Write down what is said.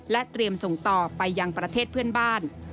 เตรียมส่งต่อไปยังประเทศเพื่อนบ้าน